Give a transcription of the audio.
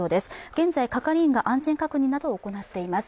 現在、係員が安全確認などを行っています。